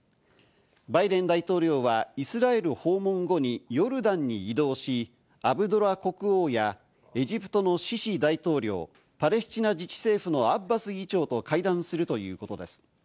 バイデン大統領はイスラエル訪問後にヨルダンに移動し、アブドラ国王やエジプトのシシ大統領、パレスチナ自治政府のアッバス議長と会談するということです。